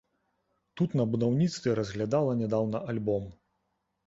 Тут на будаўніцтве разглядала нядаўна альбом.